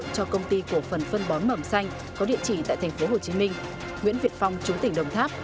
cho công ty cổ phần phân bón mầm xanh có địa chỉ tại tp hcm nguyễn việt phong chú tỉnh đồng tháp